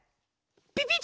ピピッ！